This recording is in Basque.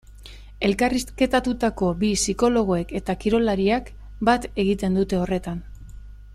Elkarrizketatutako bi psikologoek eta kirolariak bat egiten dute horretan.